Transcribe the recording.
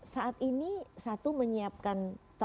saat ini satu menyiapkan